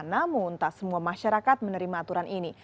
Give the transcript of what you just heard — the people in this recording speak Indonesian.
namun tak semua masyarakat menerima aturan ini